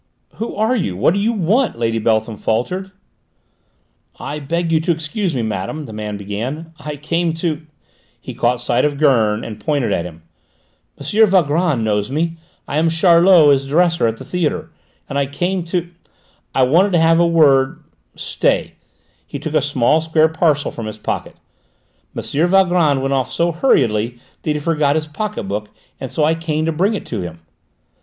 "Who are you? What do you want?" Lady Beltham faltered. "I beg you to excuse me, madame," the man began, "I came to " He caught sight of Gurn and pointed to him. "M. Valgrand knows me well. I am Charlot, his dresser at the theatre, and I came to I wanted to have a word stay " he took a small square parcel from his pocket. "M. Valgrand went off so hurriedly that he forgot his pocket book, and so I came to bring it to him."